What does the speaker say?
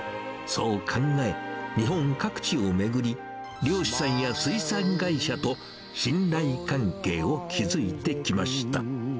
そう考え、日本各地を巡り、漁師さんや水産会社と信頼関係を築いてきました。